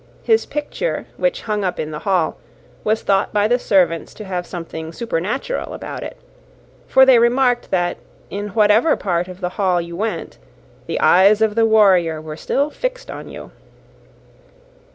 His picture, which hung up in the hall, was thought by the servants to have something supernatural about it; for they remarked that, in whatever part of the hall you went, the eyes of the warrior were still fixed on you.